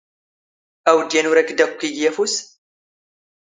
ⴰⵡⴷ ⵢⴰⵏ ⵓⵔ ⴰⴽ ⴷ ⴰⴽⴽⵯ ⵉⴳⵉ ⴰⴼⵓⵙ?